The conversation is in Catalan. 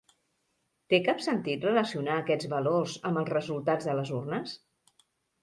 ¿Té cap sentit relacionar aquests valors amb els resultats de les urnes?